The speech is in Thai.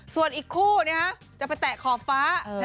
ส่วนอีกคู่จะไปแตะขอบฟ้า